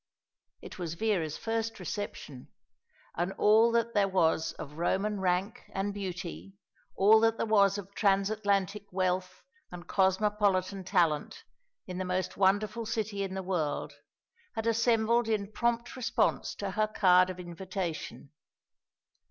It was Vera's first reception; and all that there was of Roman rank and beauty, all that there was of transatlantic wealth and cosmopolitan talent in the most wonderful city in the world had assembled in prompt response to her card of invitation.